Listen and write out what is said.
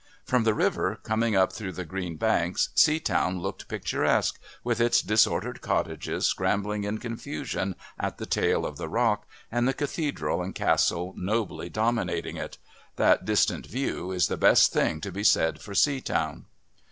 From the river, coming up through the green banks, Seatown looked picturesque, with its disordered cottages scrambling in confusion at the tail of the rock and the Cathedral and Castle nobly dominating it. That distant view is the best thing to be said for Seatown.